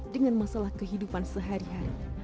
dengan masalah kehidupan sehari hari